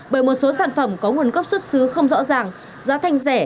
bởi một số sản phẩm có nguồn gốc xuất xứ không rõ ràng giá thành rẻ